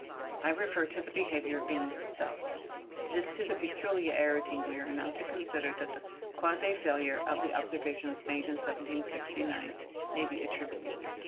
I refer to the behaviour of Venus herself. It is to the peculiarity we are now to consider that the quasi failure of the observations made in 1769 must be attributed.